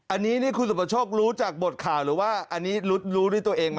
อันนี้นี่คุณสุประโชครู้จากบทข่าวหรือว่าอันนี้รู้ด้วยตัวเองไหม